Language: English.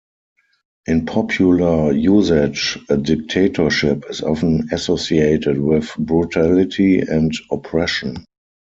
In popular usage, a "dictatorship" is often associated with brutality and oppression.